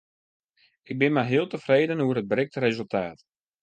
Ik bin mar heal tefreden oer it berikte resultaat.